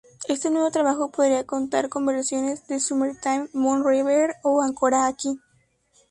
Este nuevo trabajo podría contar con versiones de Summertime, Moon River o Ancora qui.